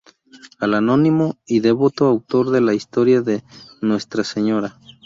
Al anónimo y devoto autor de la "Historia de Nuestra Sra.